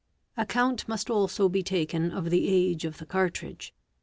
Account must also be taken of the age of the cartridge.